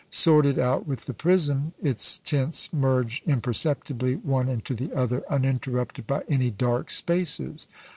Sorted out with the prism, its tints merge imperceptibly one into the other, uninterrupted by any dark spaces.